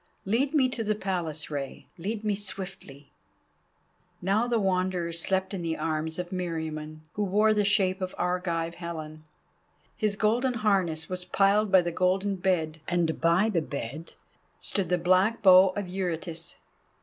Lead me to the Palace, Rei. Lead me swiftly." Now the Wanderer slept in the arms of Meriamun, who wore the shape of Argive Helen. His golden harness was piled by the golden bed, and by the bed stood the black bow of Eurytus.